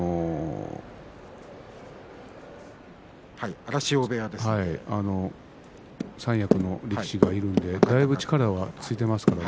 荒汐部屋で三役の力士がいるのでだいぶ力がついていますからね。